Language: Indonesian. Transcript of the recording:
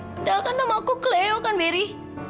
padahal kan nama aku keleo kan beri